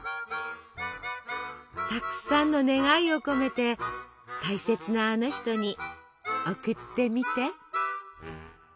たくさんの願いを込めて大切なあの人に贈ってみて！